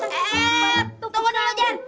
eeeeh tunggu dulu jen